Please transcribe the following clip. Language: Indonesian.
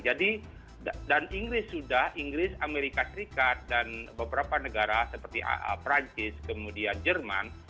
dan inggris sudah inggris amerika serikat dan beberapa negara seperti perancis kemudian jerman